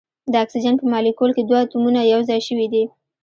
د اکسیجن په مالیکول کې دوه اتومونه یو ځای شوي دي.